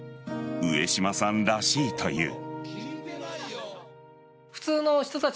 上島さんらしいという。